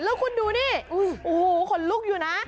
แล้วคุณดูนี่โอ้โหขนลุกอยู่นะ